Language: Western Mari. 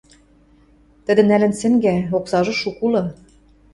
— Тӹдӹ нӓлӹн сӹнгӓ, оксажы шукы улы.